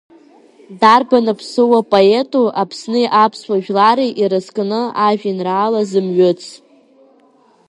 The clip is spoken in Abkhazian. Дарбан аԥсыуа поету Аԥсни аԥсуа жәлари ирызкны ажәеинраала зымҩыц?